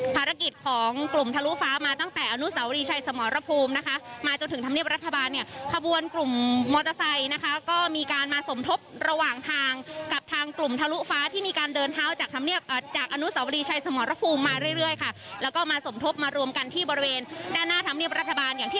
ภารกิจของกลุ่มทะลุฟ้ามาตั้งแต่อนุสาวรีชัยสมรภูมินะคะมาจนถึงธรรมเนียบรัฐบาลเนี่ยขบวนกลุ่มมอเตอร์ไซค์นะคะก็มีการมาสมทบระหว่างทางกับทางกลุ่มทะลุฟ้าที่มีการเดินเท้าจากธรรมเนียบจากอนุสาวรีชัยสมรภูมิมาเรื่อยค่ะแล้วก็มาสมทบมารวมกันที่บริเวณด้านหน้าธรรมเนียบรัฐบาลอย่างที่